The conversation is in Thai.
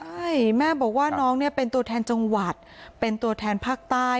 ใช่แม่บอกว่าน้องเนี่ยเป็นตัวแทนจังหวัดเป็นตัวแทนภาคใต้